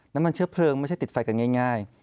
น้ำมันเชื้อเพลิงไม่ใช่ติดไฟกันง่าย